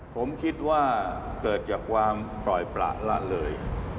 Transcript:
ผมคิดว่าเกิดจากความปล่อยประละเลย